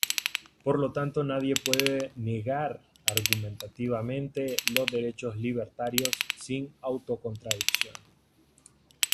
Por lo tanto, nadie puede negar argumentativa mente los derechos libertarios sin auto-contradicción.